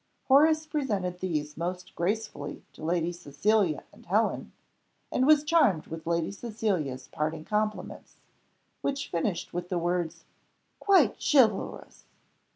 Horace presented these most gracefully to Lady Cecilia and Helen, and was charmed with Lady Cecilia's parting compliments, which finished with the words "Quite chivalrous."